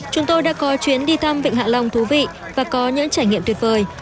chúng tôi đã có chuyến đi thăm vịnh hạ long thú vị và có những trải nghiệm tuyệt vời